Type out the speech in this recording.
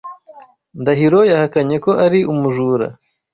Ndahiro yahakanye ko ari umujura.